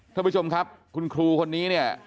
ท่านผู้ชมครับคุณครูคนนี้เนี่ย